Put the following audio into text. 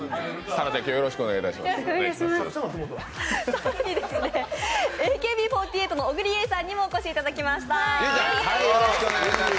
更にＡＫＢ４８の小栗有以さんにもお越しいただきました。